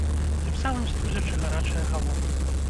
Тым самым студзячы гарачыя галовы.